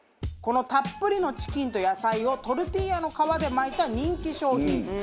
このたっぷりのチキンと野菜をトルティーヤの皮で巻いた人気商品。